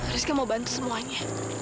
rizky mau bantu semuanya